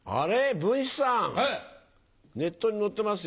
文枝さんネットに載ってますよ。